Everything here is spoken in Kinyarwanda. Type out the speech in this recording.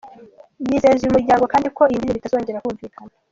Yizeza uyu muryango kandi ko iyi ndirimbo itazongera kumvikana.